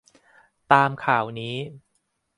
ตามข่าวนี้